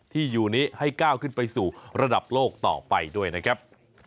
ที่อยู่นี้ให้ก้าวขึ้นไปสู่ระดับโลกต่อไปด้วยนะครับ